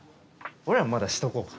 俺らもまだしとこうか。